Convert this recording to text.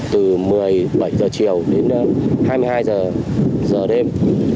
từ một mươi bảy h chiều đến hai mươi hai h giờ đêm